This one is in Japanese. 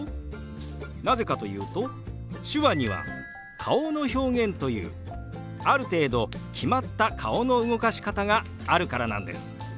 なぜかというと手話には顔の表現というある程度決まった顔の動かし方があるからなんです。